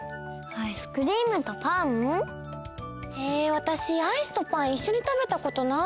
アイスとパンいっしょにたべたことない。